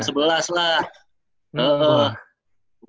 abis jam sebelas lah